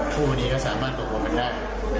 ผู้บริกัจสามารถตกกลงมาได้